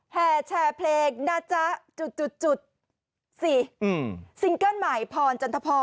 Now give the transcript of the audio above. แห่แชร์เพลงนะจ๊ะจุดจุดสิซิงเกิ้ลใหม่พรจันทพร